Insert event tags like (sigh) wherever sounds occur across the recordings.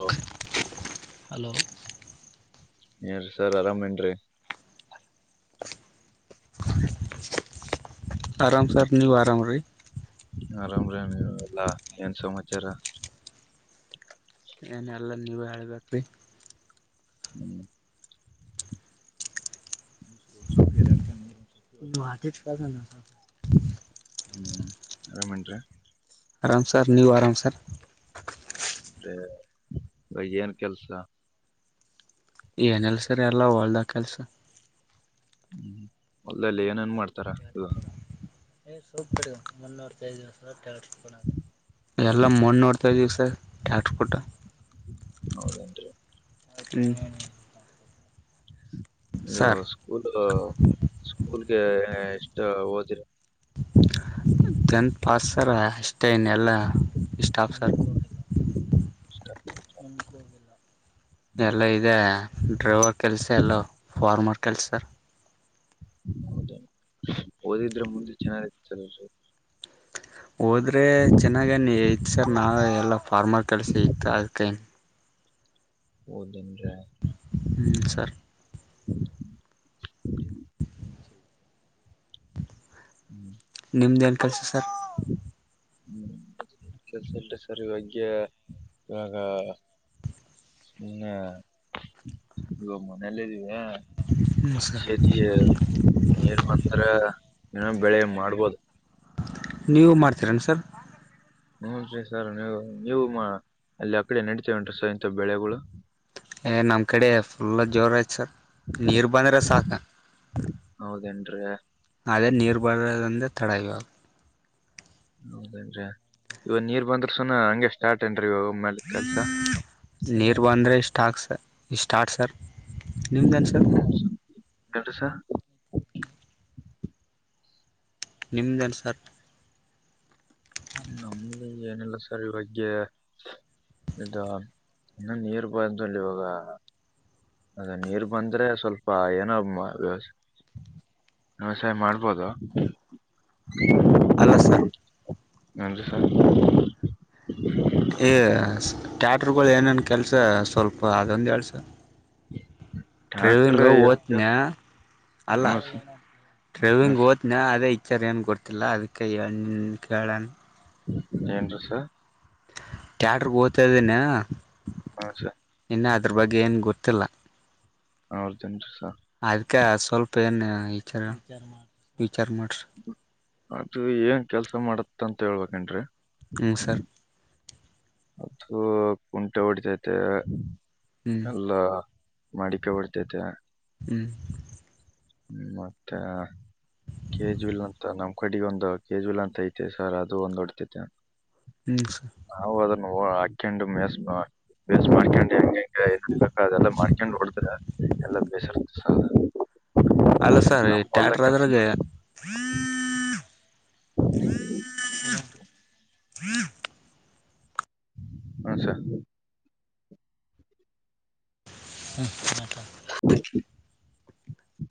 ಹ (inaudible) ಹಲೋ ಏನ್ ಸರ್ ಆರಾಮ್ ಏನ್ರೀ ಆರಾಮ ಸರ್ ನೀವು ಆರಾಮ ರೀ ಆರಾಮ್ರೇ ನೀವು ಎಲ್ಲಾ ಏನ್ ಸಮಾಚಾರ ಏನ ಎಲ್ಲ ನೀವ ಹೇಳ್ಬೇಕ್ರಿ ಹ್ಮ್ (inaudible) ತ ಕ (inaudible) ಆರಾಮ್ ಏನ್ರೀ ಆರಾಮ ಸರ್ ನೀವು ಆರಾಮ ಸಾರ್ ಅ ಏನ್ ಕೆಲ್ಸ ಏನಿಲ್ಲ ಸಾರ್ ಎಲ್ಲಾ ಹೊಲದಲ್ಲಿ ಕೆಲಸ ಹ್ಮ್ ಹೊಲದಲ್ಲಿ ಏನೇನ್ ಮಾಡ್ತಾರ ಏ್ (inaudible) ಸವಲ್ಪ ಮುನ್ನೂರತ್ತೈದು ದಿವಸಟ ಎಲ್ಲ ಮಣ್ಣು ನೋಡ್ತಾಯಿದ್ದೀವಿ ಸರ್ ಟ್ಯಾಕ್ಟ್ರ್ ಕೊಟ್ಟ ಹೌದೇನ್ರಿ (inaudible) ಇದು ಸರ್ ಸ್ಕೂಲ್ ಸ್ಕೂಲ್ಗೆ ಇಷ್ಟ ಓದಿರ ಟೆಂತ್ ಪಾಸ್ ಸರ್ ಅಷ್ಟೇನೆ ಎಲ್ಲ ಈಸ್ಟ್ ಫ (inaudible) ಸರ್ಕು ಹೋಗಿಲ್ಲ ಎಷ್ಟ ನಕ್ಕೂ ಹೋಗಿಲ್ಲ ಎಲ್ಲ ಇದೆ ಡ್ರೈವರ್ ಕೆಲ್ಸ ಎಲ್ಲ ಫಾರ್ಮರ್ ಕೆಲ್ಸ ಸರ್ ಹೌದ ಓದಿದ್ರೆ ಮುಂದೆ ಚೆನ್ನಾಗಿರುತ್ತೆ ಓದಿದ್ರೆ ಚೆನ್ನಾಗೀ ಇತ್ತು ಸರ್ ನಾ ಎಲ್ಲ ಫಾರ್ಮರ್ ಕೆಲಸ ಇತ್ತ ಅದಿಕ್ಕೆ ಒ ದಿನ ರ (inaudible) ಹ್ಮ ಸರ್ (inaudible) ಹ್ಮ್ ನಿಮ್ದೇನು ಕೆಲಸ ಸರ್ ್ಮ (inaudible) ಸರ್ ಇವಗೆ ಇವಾಗ ಸುಮ್ನೆ ಇವಾಗ ಮನೆಲ್ಲಿ ಇದ್ಧಿವ ಹ್ಞೂ ಸರ್ ಸೇತಿ ನೀರ್ ಬಂದ್ರ ಏನ ಬೆಳೆ ಮಾಡ್ಬೋದು ನೀವು ಮಾಡ್ತೀರೆನ್ ಸರ್ ಹೂ ಸರ್ ನೀವು ನೀವು ಮಾ ಅಲ್ಲಿ ಆ ಕಡೆ ನಡತೇವನ್ರೀ ಸರ್ ಇಂಥ ಬೆಳೆಗಳು ಏ ನಮ್ಮ ಕಡೆ ಫುಲ್ಲ ಜೋರ ಆಯತು ಸರ್ ನೀರು ಬಂದರೆೆ ಸಾಕು ಹೌದೇನ್ರಿೀ ಅದೇ ನೀರು ಬರೋದಂದೆ ತಡ ಇವ ಹೌದೇನ್ರಿ ಇವ ನೀರ್ ಬಂದ್ರ ಸುನ ಹಂಗಗೆ ಸ್ಟಾರ್ಟ ಏನ್ರಿ ಅರಿವ ಒಮ್ಮೇಲೆ ಕೆಲ್ಸ ನೀರ್ ಬಂದ್ರೆ ಸ್ಟಾಕ್ ಸರ್ ಈ ಸ್ಟಾರ್ಟ್ ಸರ್ ನಿಮ್ದೇನ್ ಸರ್ ಎಟು ಸ ನಿಮ್ದೇನ್ ಸರ್ ನಮ್ದ ಏನಿಲ್ಲ ಸರ್ ಈ ಬಗ್ಗೆ ಇದು ಇನ್ನ ನೀರು ಬಾರದಲ್ಲಿ ಇವಾಗ ಅದ ನೀರ್ ಬಂದ್ರೆ ಸ್ವಲ್ಪ ಏನೋ ವ್ಯವಸ್ೆ ಹಾ ಸರಿ ಮಾಡ್ಬೋದಾ ಅಲಸರ್ ಹಜ ಸ ಏ ಟ್ಯಾಟರುಗಳು ಏನೇನು ಕೆಲಸ ಸ್ವಲ್ಪ ಅದೊಂದು ಹೇಳಳ್ಸ ಟ್ರ್ಯಾಕ್ಟ್ರ್ ಟ್ರೆವಿಂಗ ಓತನ ಹ್ಞೂ ಅಲ್ಲ ಸರ್ ಹ್ಞೂ ಟ್ರೈವಿಂಗ್ ಓದನ ಅದೇ ಇಚಾರ ಏನು ಗೊಡ್ತಿಲ್ಲ ಅದಕ್ಕೆ ಕೇಳಣ ಏನ್ ಸರ್ ಟ್ಯಾಡರ್ಗೆ ಓತಾ ಇದ್ದೀನ ಹ ಸಾ ಇನ್ನ ಅದ್ರ ಬಗ್ಗೆ ಏನು ಗೊತ್ತಿಲ್ಲ ಹೌ್ರದನ್ ಸ ಅದ್ಕ್ಕೆ ಸ್ವಲ್ಪ ಏನ್ ವಿಚಾರ ವಿಚಾರ ಮಾಡ್ರಿ ಅದದು ಏನ್ ಕೆಲ್ಸ ಮಾಡತ್ತ ಅಂತ ಹೇಳ್ಬೇನ್ಿ ಮುನು ಸರ್ ಸ ಕುಂಟೆ ಹೊಡಿತೈತೆ ಹ್ಮ್ ಎಲ್ಲ ಮಾಡಿಕ ಹೊರ್ತೇತೆ ಹ್ಮ್ ಹ್ಮ ಮತ್ತೆ ಕೇಜುವಲ್ ಅಂತ ನಮ ಕಡೆಗೆ ಒಂದು ಕೆೇಜುಲ್ ಅಂತ ಐತೆ ಸರ್ ಅದು ಒಂದು ಹೊಡ್ತೈತೆ ಹ್ಮ್ ಸ ಆಾಕೆಂಡು ಮಷ ಬೇಸ್ ಮಾಡ್ಕೊಂಡು ಹೆಂಗಂಗ ಬ ಅದೆ ಎಲ್ಲಾ ಮಾಡ್ಕೊಂಡ್ ಹೊಡದ್ರ ಎಲ್ಲಾ ಬೇಸರ್ತ ಅಲ್ಲ ಸರ್ ಈ ಟ್ಯಾಟರ್ ಅದ್ರಗೆ ಹ್ಮ ಹ್ಮ್ ಅ ಸಾ ಹ್ಮ ಮಟ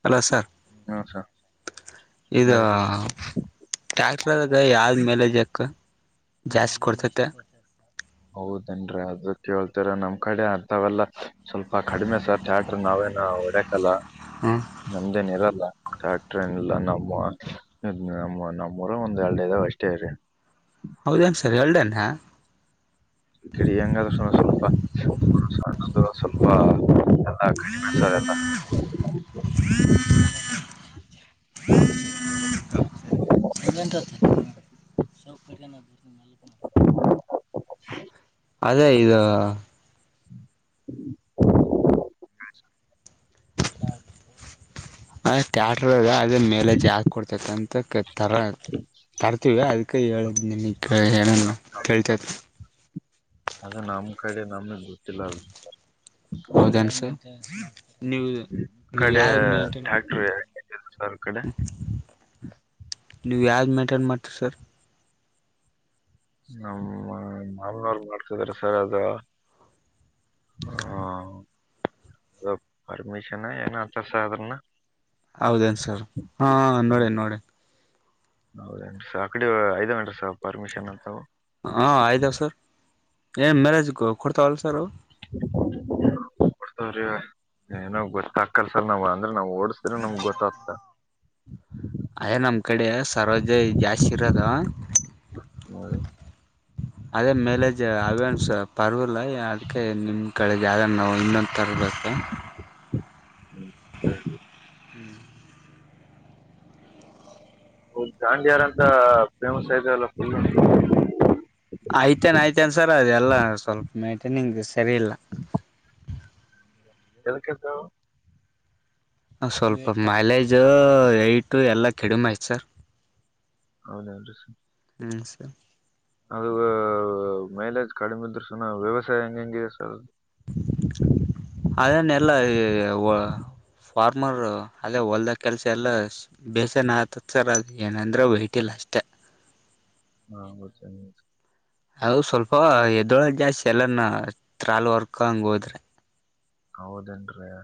ಹಲೋ ಸರ್ ಹ ಹಾ ಇದು ಟ್ಯಾಕ್ಟರ್ಾಗ ಯಾದ ಮೇಲೆ ಜಕ್ ಜಾಸ್ತಿ ಕೊಡ್ತತೆ ಹೌದೇನ್ರಿೀ ಅದು ಕೇಳ್ತರ ನಮ್ ಕಡೆ ಅರ್ಥವಲ್ಲ ಸ್ವಲ್ಪ ಕಡಿಮೆ ಸರ್ ಥ್ಯಾಟ್ರ ನಾವೇನ ಹೊಡ್ಯಕಲ್ಲ ಹ್ಮ್ ನಮ್ದೇನ್ ಇರಲ್ಲ ಟ್ಯಾಕ್ಟ್ರ ನಲ್ಲ ನಮ್ಮ ನಮ್ಮ ನಮ್ಮೂಊರ ಒಂದ್ ಎರಡೈದಾಗ್ ಅಷ್ಟೇ ಇ್ರ ಹೌದನು ಸರಿ ಹಳ್ಡೆ ನ ಮೂರು ಸದು ಸ್ವಲ್ಪ ಎಲ್ಲ ಕಡಿಮೆ ಸಾರ್ ಎಲ್ಲ ಹ್ಮ್ ಇಟ ಸ ಕಿಯ ಓಡ ಅದೇ ಇದು (inaudible) ಅ ್ಯಾಟ್ರ ಅದ ಮೇಲೆ ಜಾಸ್ ಕೊಡ್ತಂತ ತರ ತರ್ತಿೀವಿ ಅದಕ್ಕೆ ಹೇಳ ನಿನ್ನ ಏನ ಕೇಳ್ತೇತ್ತು ನಾಮನೆ ಗತ್ತಿಲ್ಲ ಹೌದನ್ಸ ನೀವು ನೀವು ಕಡೆ ಯಾವ ಮೇಂಟನ್ ಟ್ಯಾಕ್ಟರ್ ಸರ್ ಕಡೆ ಮ್ಯಾಟನ್ ಮಾಡ್ತೀವಿ ಸರ್ ನಮ್ಮ ಮಾಮನವರ್ಗ್ ಮಾಡ್ತಿದಾರ ಸರ್ ಅದ ಹಾ ಅ ಪರ್ಮಿಷನ್ ಏನ ಆ ತರ್ಸ ಅ್ರನ್ನ ಹೌದೇನು ಸರ್ ಹಾಂ ನೋಡಿ ನೋಡಿ ಹೌದೇನ್ರಿ ಸ ಆಕಡೆ ಐದೇನ್ರಿ ಸ ಪರ್ಮಿಷನ್ ಅಂತವು ಹಾ ಆಯತಾವ ಸರ್ ಏನ್ ಮ್ಯಾರೇಜ್ ಕೊಡ್ತಾವಲ್ಲ ಸರ್ ಕೊಡ್ತವ್ರಿ ಏನ ಗೊತ್ತ ಕಲ್ಸಲ್ ನಾವ್ ಅಂದ ಂದ್ರೆ ನಾವ್ ಓಡಸಿದ್ರೆ ನಮಗ್ ಗೊತ್ತಾಗ್ತ ಅಯ ನಮ್ ಕಡೆ ಸರೋಜ ಜಾಸ್ತಿ ಇರೋದ ಅಧ ಮೇಲೆಜ ಅವನ್ಸ್ ಪರ್ವ ಅಲ್ಲ ಅದಕ್ಕೆ ನಿಮ್ಮ ಕಡೆಗೆ ಯಾವ್ದ ನಾವು ಇನ್ನೊಂದುಥರದ ಬತ್ತೆ ಪ ದಾಂಡಿಯಾರ ಅಂತ ಫೇಮಸ್ ಐವಲ್ಲ ಫುಲ್ ಆಯ್ತೇನ್ ಆಯ್ತೇನ್ ಸರ ಅದೆಲ್ಲ ಸ್ವಲ್ಪ ಮೇಟನಿಂಗ ಸರಿ ಇಲ್ಲ ಎಕ್ಕೆಂತ ಹ ಸ್ವಲ್ಪ ಮೈಲೇಜು ಯಟು ಎಲ್ಲ ಕಡಿಮೆ ಆಯ್ತು ಸರ್ ಹೌದೌ ರ ಸ ಹ್ಮ್ ಸರಿ ಅದು ಮೈಲೇಜ್ ಕಡಿಮ ಇದ್ರು ಸನ ವ್ಯವಸಾಯ ಹೆಂಗ ಹೆಂಗಿದೆ ಸರ್ (inaudible) ಅ ನೆಲ್ಲ ಫಾರ್ಮರ್ ಅದೇ ಹೊಲ್ದ ಕೆಲ್ಸ ಎಲ್ಲ ಬೇಸನ ಆತದ ಸರ್ ಅದ ಏನಂದ್ರೆ ವಯಟ್ ಇಲ್ಲ ಅಷ್ಟೇ ಹಾ ಚ ಅದು ಸ್ವಲ್ಪ ಎದೊಳಗ್ ಜಾಸ್ತಿ ಎಲ್ಲಾನ ತ್ರಾಲ್ ವರ್ಕಂಗ ಹೋದ್ರೆ ಹೌದೇನ್ರರಿ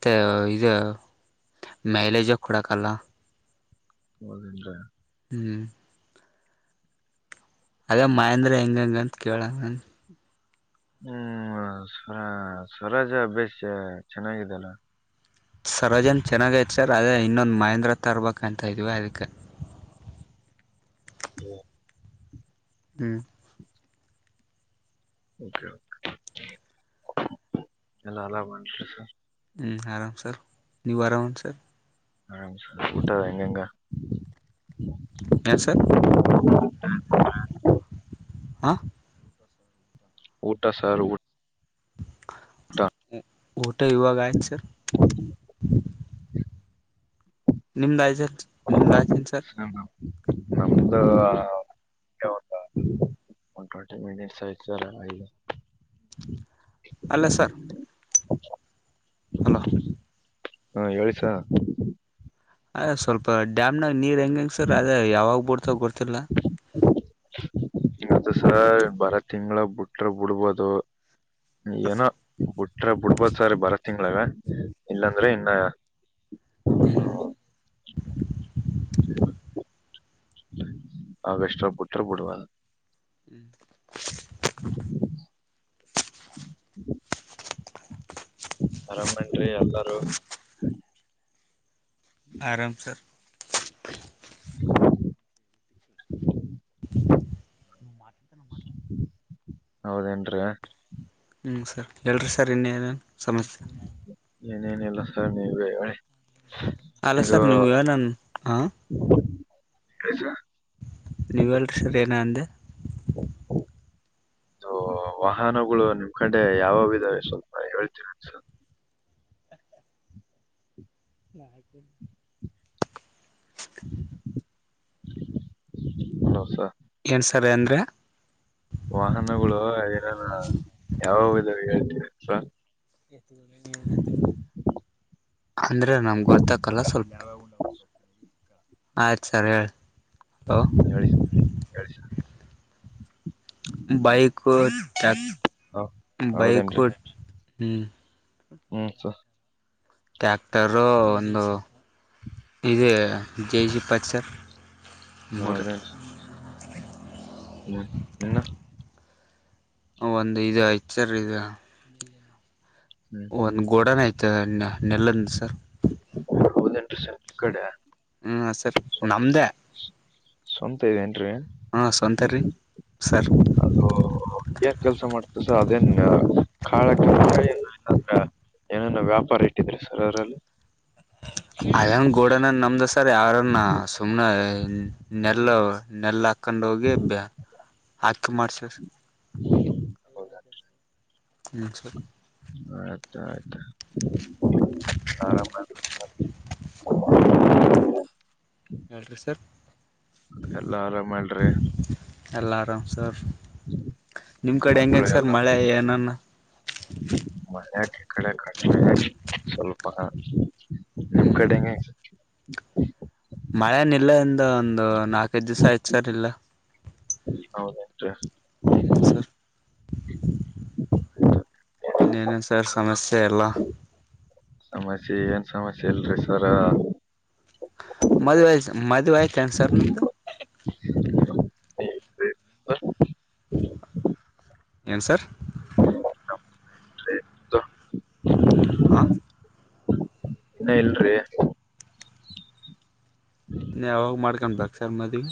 ಮತ್ತು ಇದು ಮೈಲೇಜಾಗ ಕೊಡಕ್ಕಲ್ಲ ಹೌದಿಲ್ಲ ಹ್ಮ್ ಅಗ ಮಹೇಂದ್ರ ಹೆಂಗಂಗಂತ ಕೇಳ ಹ್ಮ್ ಸ್ವರ ಸ್ವರಾಜ ಅಭ್ಯಾಸ ಚೆನ್ನಾಗಿದಲ್ಲ ಸರೋಜನ್ ಚೆನ್ನಾಗೈತ್ತು ಸರ್ ಅದೇ ಇನ್ನೊಂದು ಮಹೇಂದ್ರ ತ ಇರ್ಬೇಕಂತ ಇದ್ವಿ ಅದಕ್ಕೆ ಹ ಹ ಎಲ್ಲಲ್ಲ ಬಂದ ಸರ್ ಹ್ಞೂ ಆರಾಮ್ ಸರ್ ನೀವು ಆರಾಮನು ಸರ್ ಹ ಊಟದ ಹೆಂಗಂಗ ಎಲ್ಲ ಸರ್ ಹಾಂ ಊಟ ಸರ್ ಊ ಕಊಟೆ ಯುುವಕಯ ಸರ್ ನಿಮ್ದಾಯ್ತು ಸರ್ ನಿಮ್ದ ಆಯ್ತೇನ್ ಸರ್ ನಮ್ದುಂತ ಒ ಟ್ವಟಿ ಮಿನಿಟ್ಸ್ ಆಯತರ ಅಲ್ಲ ಅಲ್ಲೇ ಸರ್ ಅ ಹಲೋ ಹಾ ಹೇಳಿಸ ಅ ಸ್ವಲ್ಪ ಡ್ಯಾಮ್ನಾಗ ನೀರ್ ಹೆಂಗ ಹೆಂಗ ಸರ್ ಅದೇ ಯಾವಾಗ್ ಬಡ್ತಾವ ಗೊರ್ತಿಿಲ್ಲ ಮದುಸ ಬರ ತಿಂಗಳ ಬಿಟ್ರ ಬಿಡ್ಬೋದು ಏನಟ್ಟ ಅಟ್ರ ಬಿಡ್ಬೋದ್ ಸಾರಿ ಬರ ತಿಂಗಳಗ ಇಲ್ಲಾಂದ್ರೆ ಇನ್ನ ಹ್ಮ ಅವಷ್ಟೋ ಬಿುಟ್ಟ್ರ ಬಿಡುವದು ಹ್ಮ್ ಬರ ನನ್ರಿ ಎಲ್ಲಾರು ಆರಾಮ ಸರ್ ಹೌದೇನ್ರರಿ ಹ್ಞೂ ಸರ್ ಹೇಳಿರಿ ಸರ್ ಇನ್ನೇನನು ಸಮಸ್ಯೆ ಏನೇನಲ್ಲ ಸರ್ ನೀವ ಹೇಳ ಅಲ ಸರ್ ನ್ಯೂ ಇರ್ ನನ್ ಹಾಂ ಕಷ್ಟ ನ್ಲ್ಸರ್ ಏನ ಅಂದೆ ವಾಹನಗಳು ನಿಮ್ ಕಡೆ ಯಾವಾವ ಇದಾವೆ ಸ್ವಲ್ಪ ಹೇಳ್ತಿರಸರ್ ನಕ ಹ ಸ ಏನು ಸರ್ ಅಂದರೆ ವಾಹನಗಳು ಅದೇನೇನಾ ಯಾವ ಇದ ಹೇಳ್ತೀವಿ ಸರ್ ಅಂದ್ರೆ ನಮ್ ಗೊತ್ತತಕಲ್ಲ ಸ್ವಲ್ಪ ಯಾವ ಆಯ್ ಸರಿ ಹೇಳಿ ಹಲೋ ಹೇಳ ಹೇಳ ಬೈಕ್ುಟ ಹೌದ್ ಬೈಕ್ು ಹೌದೇನ್ರಿ ಹ್ಮ ಹ್ಮ್ ಸ ಟ್ಯಾಕ್ಟರು ಒಂದು ಇದೆ ಜೇ ಜಿ ಪಚರ್ ಹೌ ಮೂರು ಅದ ಹ್ಮ್ ನಿ ಒಂದು್ ಇದು ಐ ಸರ್ ಇದು ಹ್ಮ್ ಒಂದ್ ಗೋಡನ ಆಯ್ತ ನೆಲ್ಲಂದ ಸರ್ ಹೌದಟರಿ ಸ ಕಡೆ ಹ್ಮ್ ಸರ್ ನಮ್ದೇ ಸವಂತ ಇದೆೇಏನ್ರರಿ ಹಾ ಸವಂತೀ ಸರ್ ಅದು ಏನ್ ಕೆಲ್ಸ ಮಾಡ್ತಸ ಅದೇನ್ ಕಾಳ ಕೆಂದ್ರ.. ಏನೇನ ವ್ಯಾಪಾರ ಇಟ್ಟಿದ್ರೆ ಸರರಲ್ಲಿ.. ಅಯಂಗ ಗೋಡನ ನಮ್ದ ಸರ್ ಯಾರನ್ನ ಸುಮ್ನೆ.. ನೆಲ್ಲ ನೆಲ್ಲ ಹಾಕ್ಕೊಂಡ ಹೋಗಿ ಬ ಹಾಕಿ ಮಾಡ್ಸರ್ ಹೌದಾ ಹ್ಮ್ ಸರಿ ಆಯ್ತಾ ಆಯ್ತಾ ಸಾರ ಗುರ್ರ್ ಹೇಳ್ರಿ ಸರ್ ಎಲ್ಲಾ ಆರಾಮ ಇ್ರಿ ಅಲಾರಾಮ್ ಸರ್ ನಿಮ್ ಕಡೆ ಹೆಂಗ ಮಕ್ಕಳ ಹೆಂಗ್ ಸರ್ ಎಲ್ಲ ಮಳೆ ಏನನ್ನ ಮೆ ಯಾಕೆ ಕಡೆ ಕಡೆ ಸ್ವಲ್ಪ ನಿಮ್ ಕಡೆ ಹ ಮಳೆನ ಇಲ್ಲ ಇಂದ ಒಂದು ನಾಕೈದ್ ದಿವ್ ಹೆತ್ ಸರ್ ಇಲ್ಲ.. ಹೌದಟು.. ಹ್ಮ ಸರ್.. ಇನ್ನೇನೇನು ಸರ್ ಸಮಸ್ಯೆ ಎಲ್ಲ.. ಸಮಸ್ಯೆ ಏನ್ ಸಮಸ್ಯೆ ಇಲ್ರಿ ಸರ.. ಮದ ವ ಮದುವಾಯ ಕ್ಯಾನ್ಸರ್ ನ್ದ. ಹ. ಏನ್ ಸರ್.. ಆಯಿತೋ. ಆಂ. ಇನ್ನ ಇಲ್ರಿ. ಯಾವಾಗ ಮಾಡ್ಕೊಂಡ ಬ ಸರ್ ಮದುವೆ..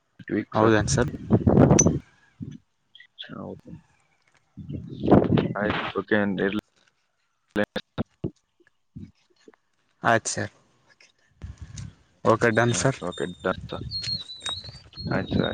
ಸರ್ ಹ ಆಯಕ.. ಹ.. ಅ ಸಾ.. ಆ ಓಕೆ ಅಯ.